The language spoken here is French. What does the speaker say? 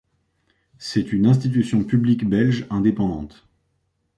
C'est une institution publique belge indépendante.